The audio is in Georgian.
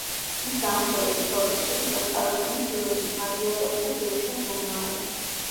მის ნამუშევრებს შორის შედის ოსკაროსანი ფილმები „გლადიატორი“ და „გეიშას მემუარები“.